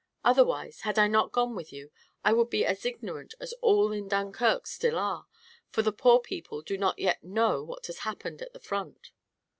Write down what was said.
Otherwise, had I not gone with you, I would be as ignorant as all in Dunkirk still are, for the poor people do not yet know what has happened at the front."